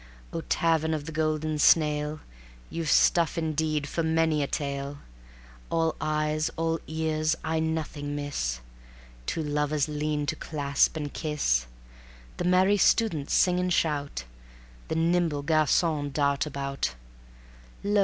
O Tavern of the Golden Snail! You've stuff indeed for many a tale. All eyes, all ears, I nothing miss: Two lovers lean to clasp and kiss; The merry students sing and shout, The nimble garcons dart about; Lo!